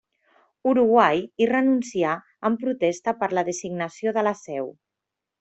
Uruguai hi renuncià en protesta per la designació de la seu.